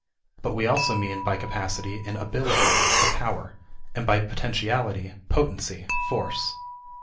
But we also mean by capacity an ability, a power; and by potentiality potency, force.